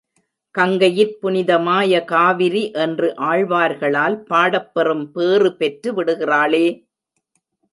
கங்கையிற் புனிதமாய காவிரி என்று ஆழ்வார்களால் பாடப் பெறும் பேறு பெற்று விடுகிறாளே.